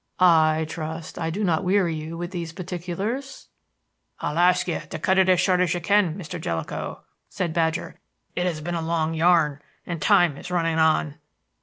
I trust I do not weary you with these particulars?" "I'll ask you to cut it as short as you can, Mr. Jellicoe," said Badger. "It has been a long yarn and time is running on."